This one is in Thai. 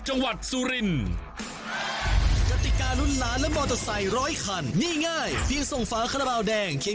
คนมาจากภาคอะไรทำอาเทียมอะไรอยู่จังหวัดไหนก็ได้รู้กันเลย